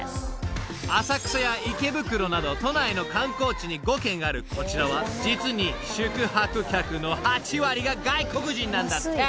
［浅草や池袋など都内の観光地に５軒あるこちらは実に宿泊客の８割が外国人なんだって］